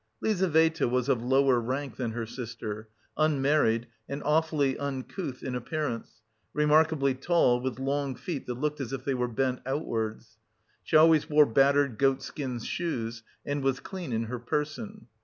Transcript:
Lizaveta was of lower rank than her sister, unmarried and awfully uncouth in appearance, remarkably tall with long feet that looked as if they were bent outwards. She always wore battered goatskin shoes, and was clean in her person.